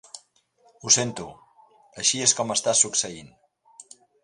Ho sento, així és com està succeint.